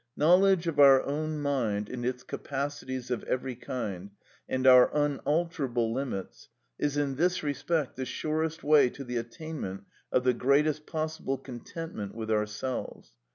Knowledge of our own mind and its capacities of every kind, and their unalterable limits, is in this respect the surest way to the attainment of the greatest possible contentment with ourselves.